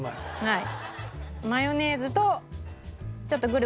はい。